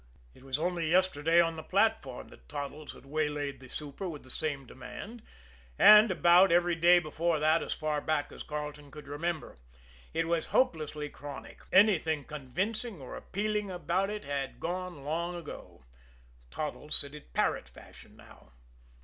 It was only yesterday on the platform that Toddles had waylaid the super with the same demand and about, every day before that as far back as Carleton could remember. It was hopelessly chronic. Anything convincing or appealing about it had gone long ago Toddles said it parrot fashion now.